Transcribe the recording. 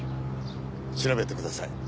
調べてください。